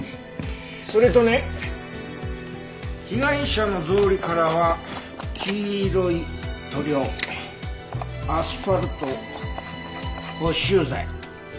それとね被害者の草履からは黄色い塗料アスファルト補修材。